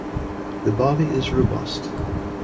The body is robust.